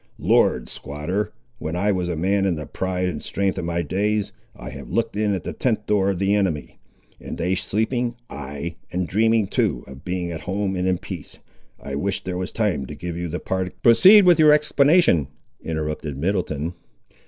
Lord, squatter, when I was a man in the pride and strength of my days, I have looked in at the tent door of the enemy, and they sleeping, ay, and dreaming too, of being at home and in peace! I wish there was time to give you the partic—" "Proceed with your explanation," interrupted Middleton.